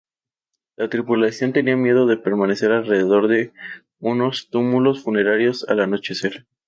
La tripulación tenía miedo de permanecer alrededor de unos túmulos funerarios al anochecer.